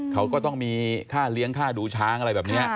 เขาก็ต้องมีค่าเลี้ยงค่าดูช้างอะไรแบบนี้